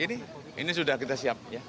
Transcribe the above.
ini sudah kita siap ya